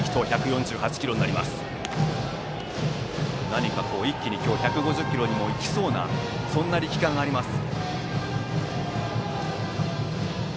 何か一気に今日１５０キロにいきそうな力感があります。